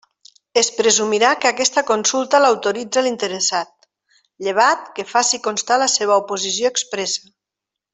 Es presumirà que aquesta consulta l'autoritza l'interessat, llevat que faci constar la seva oposició expressa.